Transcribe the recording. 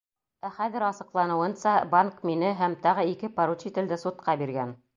Ә хәҙер асыҡланыуынса, банк мине һәм тағы ике поручителде судҡа биргән.